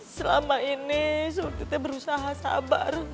selama ini kita berusaha sabar